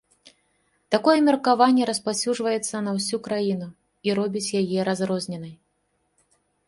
Такое меркаванне распаўсюджваецца на ўсю краіну і робіць яе разрозненай.